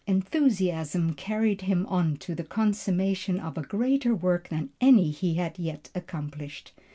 Enthusiasm carried him on to the consummation of a greater work than any he had yet accomplished.